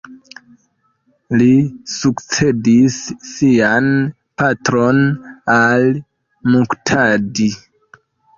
Li sukcedis sian patron al-Muktadi.